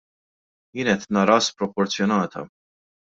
Jiena qed naraha sproporzjonata.